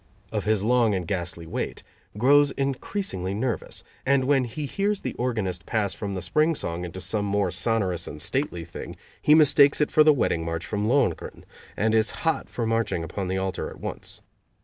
of his long and ghastly wait, grows increasingly nervous, and when he hears the organist pass from the Spring Song into some more sonorous and stately thing he mistakes it for the wedding march from "Lohengrin," and is hot for marching upon the altar at once.